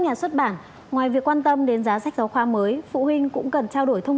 nhà xuất bản ngoài việc quan tâm đến giá sách giáo khoa mới phụ huynh cũng cần trao đổi thông